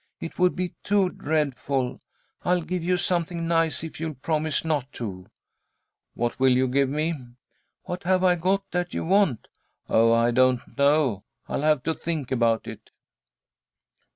"It would be too dreadful. I'll give you something nice if you'll promise not to." "What will you give me?" "What have I got that you want?" "Oh, I don't know. I'll have to think about it."